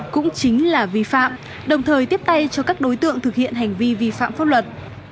cũng chính là vi phạm đồng thời tiếp tay cho các đối tượng thực hiện hành vi vi phạm pháp luật